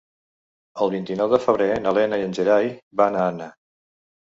El vint-i-nou de febrer na Lena i en Gerai van a Anna.